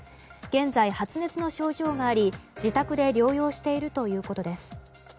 現在、発熱の症状があり、自宅で療養しているということです。